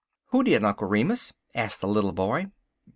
"Who did, Uncle Remus?" asked the little boy.